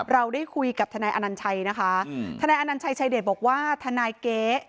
เราได้คุยกับทนายอนัญชัยนะคะทนายอนัญชัยชายเดชบอกว่าทนายเก๊